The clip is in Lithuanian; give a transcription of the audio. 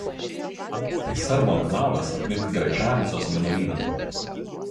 Tai serbų anklavas aplink Gračanicos vienuolyną.